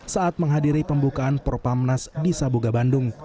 saat menghadiri pembukaan propamnas di sabuga bandung